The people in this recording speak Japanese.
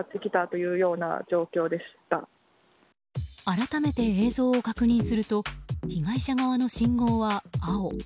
改めて映像を確認すると被害者側の信号は、青。